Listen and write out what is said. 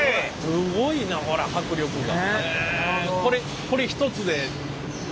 すごいなこりゃ迫力が。